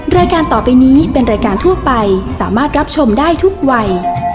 รายการต่อไปนี้เป็นรายการทั่วไปสามารถรับชมได้ทุกวัย